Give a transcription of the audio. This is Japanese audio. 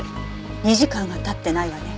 ２時間は経ってないわね。